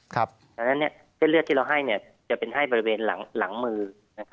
เพราะฉะนั้นเส้นเลือดที่เราให้จะเป็นให้บริเวณหลังมือ